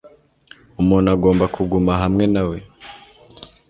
Umuntu agomba kuguma hamwe nawe